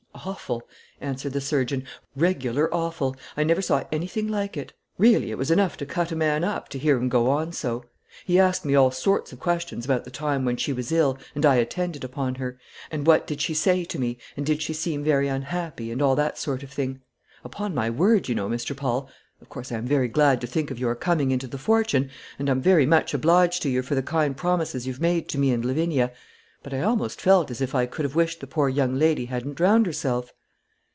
"Awful," answered the surgeon; "regular awful. I never saw anything like it. Really it was enough to cut a man up to hear him go on so. He asked me all sorts of questions about the time when she was ill and I attended upon her, and what did she say to me, and did she seem very unhappy, and all that sort of thing. Upon my word, you know, Mr. Paul, of course I am very glad to think of your coming into the fortune, and I'm very much obliged to you for the kind promises you've made to me and Lavinia; but I almost felt as if I could have wished the poor young lady hadn't drowned herself."